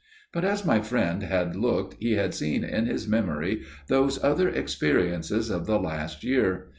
But as my friend had looked he had seen in his memory those other experiences of the last year.